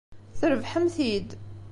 Trebḥem-t-id.